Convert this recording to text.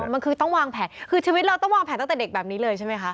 มันคือต้องวางแผนคือชีวิตเราต้องวางแผนตั้งแต่เด็กแบบนี้เลยใช่ไหมคะ